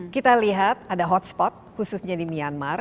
kita lihat ada hotspot khususnya di myanmar